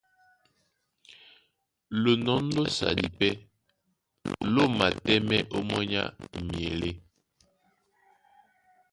Lonɔ̌n lósadi pɛ́ ló matɛ́mɛ́ ómɔ́ny á myelé.